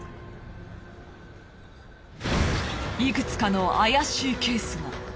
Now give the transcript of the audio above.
いくつかの怪しいケースが。